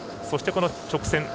そして直線。